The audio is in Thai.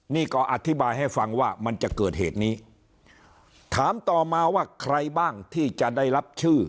นี่ก็อธิบายให้ฟังว่ามันจะเกิดเหตุนี้ถามต่อมาว่าใครบ้างที่จะได้รับชื่อ